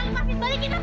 lepasin apa gue kasar